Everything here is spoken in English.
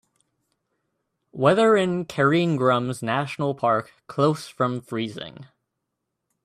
Weather in Cairngorms-Nationalpark close from freezing